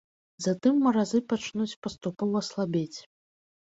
Затым маразы пачнуць паступова слабець.